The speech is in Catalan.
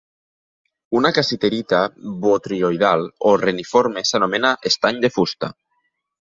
Una cassiterita botrioidal o reniforme s'anomena "estany de fusta".